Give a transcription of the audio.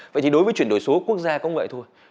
vậy thì đối với chuyển đổi số quốc gia cũng vậy thôi